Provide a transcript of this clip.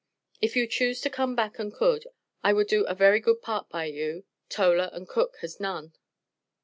If you choose to come back you could. I would do a very good part by you, Toler and Cooke has none.